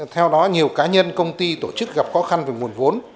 theo đó nhiều cá nhân công ty tổ chức gặp khó khăn về nguồn vốn